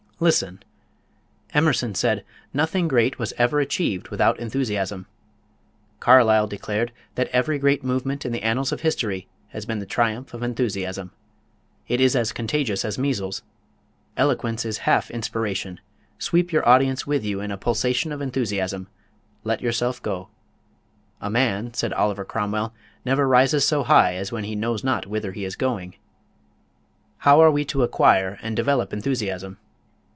Listen! Emerson said: "Nothing great was ever achieved without enthusiasm." Carlyle declared that "Every great movement in the annals of history has been the triumph of enthusiasm." It is as contagious as measles. Eloquence is half inspiration. Sweep your audience with you in a pulsation of enthusiasm. Let yourself go. "A man," said Oliver Cromwell, "never rises so high as when he knows not whither he is going." _How are We to Acquire and Develop Enthusiasm?